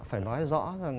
phải nói rõ rằng